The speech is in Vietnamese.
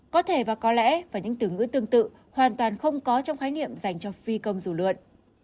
có thể và có lẽ và những từ ngữ tương tự hoàn toàn không có trong khái niệm dành cho phi công dù lượn